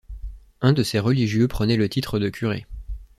Un de ces religieux prenait le titre de curé.